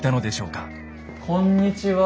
こんにちは。